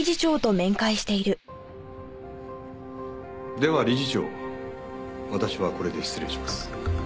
では理事長私はこれで失礼します。